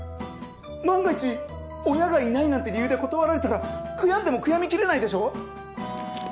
万が一親がいないなんて理由で断られたら悔やんでも悔やみきれないでしょう！？